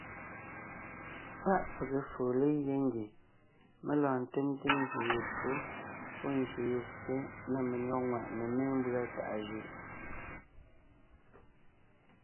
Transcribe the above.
Páʼ pege foo legyɛ́ ngie mé lɔɔn ńtemte ngyè ye tÿǒ pɔ́b ngyè ye ssé na menÿɔ́g ŋwàʼne mémbʉ́a tàʼa jʉʼ.